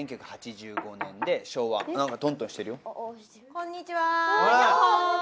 こんにちは。